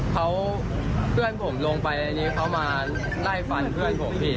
เขาเพื่อนผมลงไปอันนี้เขามาไล่ฟันเพื่อนผมพี่